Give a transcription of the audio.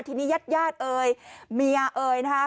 ทีนี้ญาติญาติเอ่ยเมียเอ่ยนะคะ